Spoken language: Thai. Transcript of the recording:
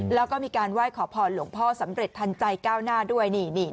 แล้วก็มีการไหว้ขอพรหลวงพ่อสำเร็จทันใจก้าวหน้าด้วย